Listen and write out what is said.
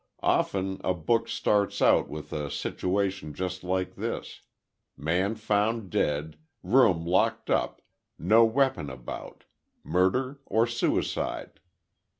Often a book starts out with a situation just like this; man found dead. Room locked up. No weapon about. Murder or suicide?